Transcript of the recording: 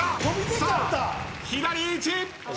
さあ左１！